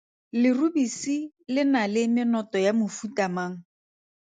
Lerubisi le na le menoto ya mofuta mang?